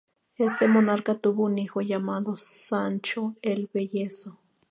Este monarca tuvo un hijo llamado Sancho "El velloso".